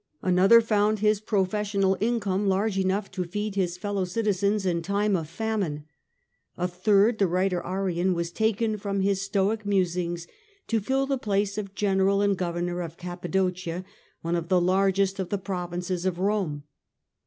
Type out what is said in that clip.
Another found his professional income large enough to feed his fellow citizens in time of famine. A third, the writer Arrian, was taken from his Stoic musings to fill the place of general and governor of Cappadocia, one of the largest of the provinces of Rome.